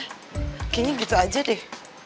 kayaknya gitu aja deh